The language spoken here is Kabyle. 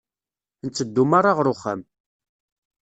Nteddu merra ɣer uxxam.